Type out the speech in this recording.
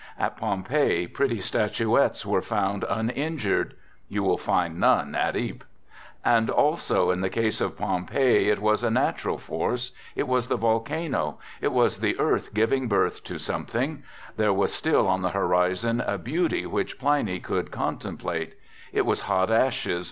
At Pompeii pretty statuettes were j found uninjured ; you will find none at Ypres. And f also, in the case of Pompeii, it was a natural force; ! it was the volcano ; it was the earth giving birth to something; there was still on the horizon a beauty THE GOOD SOLDIER" 59 which Pliny could contemplate; it was hot ashes